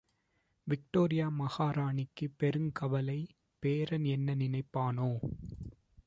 Victoria மகாராணிக்குப் பெருங் கவலை— பேரன் என்ன நினைப்பானே?